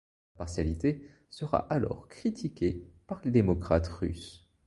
Sa partialité sera alors critiquée par les démocrates russes.